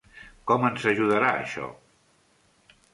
Com ens ajudarà això?